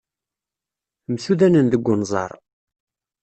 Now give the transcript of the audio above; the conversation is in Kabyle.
Msudanen deg unẓar.